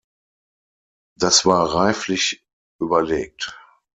Das war reiflich überlegt.